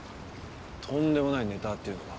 とんでもないネタっていうのは？